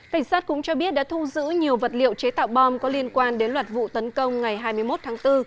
cảnh sát cũng cho biết đã thu giữ nhiều vật liệu chế tạo bom có liên quan đến loạt vụ tấn công ngày hai mươi một tháng bốn